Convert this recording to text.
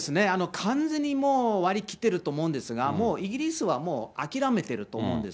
完全にもう割り切っていると思うんですが、もうイギリスは諦めてると思うんです。